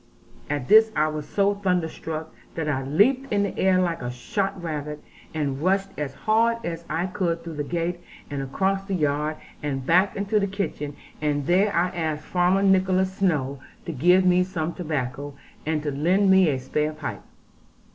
At this I was so thunderstruck, that I leaped in the air like a shot rabbit, and rushed as hard as I could through the gate and across the yard, and back into the kitchen; and there I asked Farmer Nicholas Snowe to give me some tobacco, and to lend me a spare pipe.